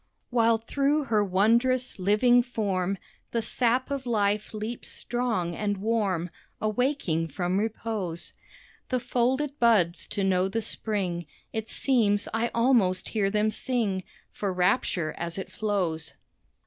While through her wondrous, living form The sap of life leaps strong and warm, Awaking from repose The folded buds to know the Spring, It seems I almost hear them sing For rapture as it flows.